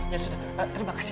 ya sudah terima kasih